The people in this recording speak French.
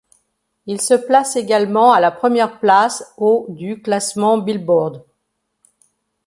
Il se place également à la première place au du classement Billboard.